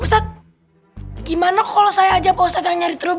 ustadz gimana kalau saya aja yang nyari trio bemo